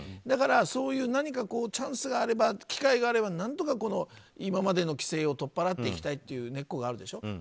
だから、そういう何かチャンス機会があれば何とか今までの規制を取っ払っていきたいという根っこがあるでしょ。